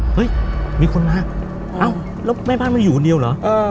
เฮ้ยมีคนมาเอ้าแล้วแม่บ้านไม่อยู่คนเดียวเหรอ